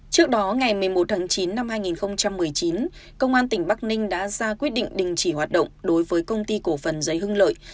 trước đó ngày một mươi một tháng chín năm hai nghìn một mươi chín công an tỉnh bắc ninh đã ra quyết định đình chỉ hoạt động đối với công ty cổ phần giấy hưng lợi